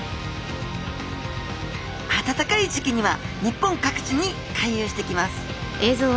暖かい時期には日本各地に回遊してきます